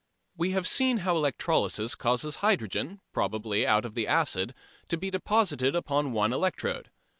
We have seen how electrolysis causes hydrogen, probably out of the acid, to be deposited upon one electrode.